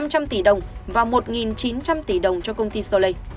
năm trăm linh tỷ đồng và một chín trăm linh tỷ đồng cho công ty solei